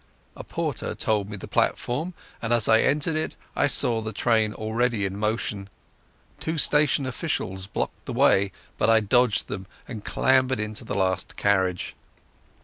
A porter told me the platform, and as I entered it I saw the train already in motion. Two station officials blocked the way, but I dodged them and clambered into the last carriage.